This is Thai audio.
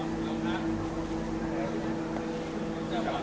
สวัสดีครับ